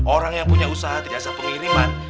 orang yang punya usaha kejasa pengiriman